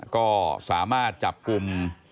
ก็สามารถจับกลุ่ม